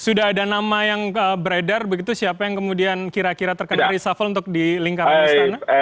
sudah ada nama yang beredar begitu siapa yang kemudian kira kira terkena reshuffle untuk di lingkaran istana